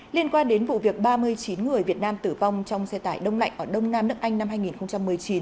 liên quan đến vụ việc ba mươi chín người việt nam tử vong trong xe tải đông lạnh ở đông nam nước anh năm hai nghìn một mươi chín